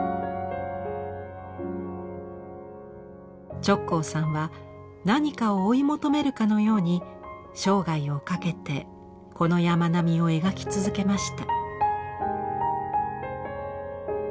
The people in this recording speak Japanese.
直行さんは何かを追い求めるかのように生涯をかけてこの山並みを描き続けました。